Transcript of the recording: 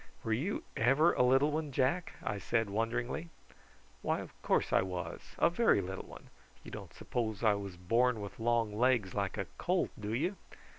"Were you ever a little one, Jack!" I said wonderingly. "Why, of course I was a very little one. You don't suppose I was born with long legs like a colt, do you?